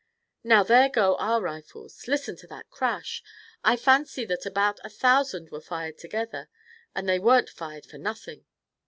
Now there go our rifles! Listen to that crash. I fancy that about a thousand were fired together, and they weren't fired for nothing."